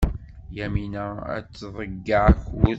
Yamina ad tḍeyyeɛ akud.